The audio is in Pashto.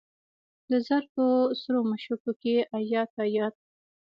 د زرکو سرو مشوکو کې ایات، ایات